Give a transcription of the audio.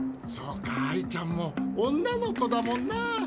そうかアイちゃんも女の子だもんな。